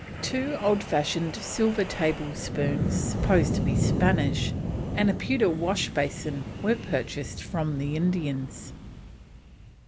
Two old fashioned silver table spoons, supposed to be Spanish, and a pewter wash basin were purchased from the Indians.